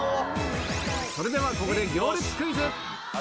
それではここで行列クイズ。